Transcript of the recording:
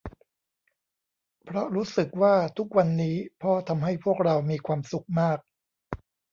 เพราะรู้สึกว่าทุกวันนี้พ่อทำให้พวกเรามีความสุขมาก